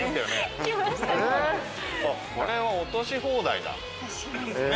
これは落とし放題だ。